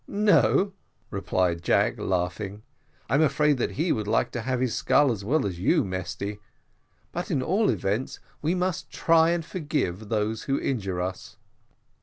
"No," replied Jack, laughing, "I'm afraid that he would like to have his skull as well as you, Mesty but at all events we must try and forgive those who injure us."